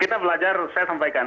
kita belajar saya sampaikan